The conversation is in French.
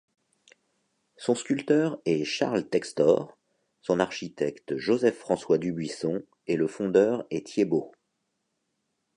Son sculpteur est Charles Textor, son architecte Joseph-François Dubuisson et le fondeur est Thiébaut.